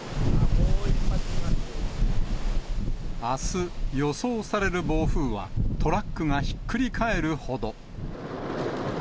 あす、予想される暴風はトラックがひっくり返るほど。